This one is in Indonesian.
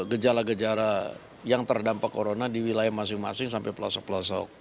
gejala gejala yang terdampak corona di wilayah masing masing sampai pelosok pelosok